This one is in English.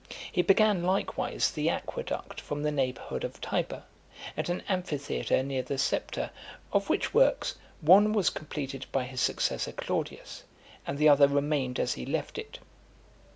He began, likewise, the aqueduct from the neighbourhood of Tibur , and an amphitheatre near the Septa ; of which works, one was completed by his successor Claudius, and the other remained as he left it.